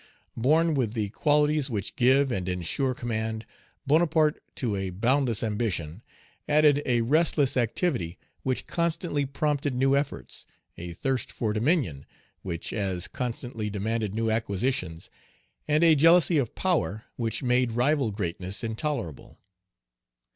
Born with the qualities which give and insure command, Bonaparte, to a boundless ambition, added a restless activity which constantly prompted new efforts, a thirst for dominion, which as constantly demanded new acquisitions, and a jealousy of power which made rival greatness intolerable.